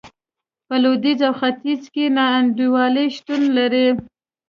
په لوېدیځ او ختیځ کې نا انډولي شتون لري.